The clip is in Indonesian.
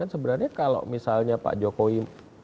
sebenarnya kalau misalnya pak jokowi